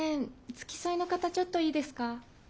付き添いの方ちょっといいですか？